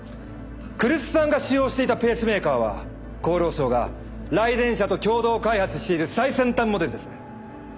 来栖さんが使用していたペースメーカーは厚労省がライデン社と共同開発している最先端モデルです。